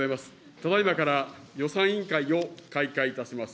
ただいまから予算委員会を開会いたします。